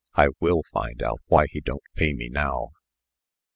I will find out why he don't pay me now."